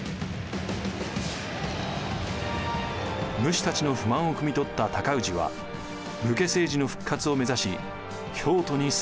武士たちの不満をくみ取った尊氏は武家政治の復活を目指し京都に攻め上ります。